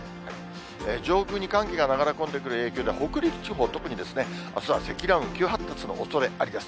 上空に寒気が流れ込んでくる影響で、北陸地方、特にあすは積乱雲、急発達するおそれありです。